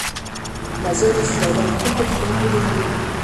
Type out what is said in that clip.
La zone fut alors complètement redéveloppée.